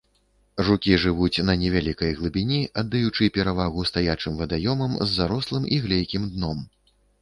Жукі жывуць на невялікай глыбіні, аддаючы перавагу стаячым вадаёмам з зарослым і глейкім дном.